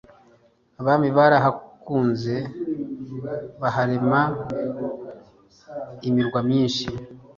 abami barahikunze baharema imirwa myinshi,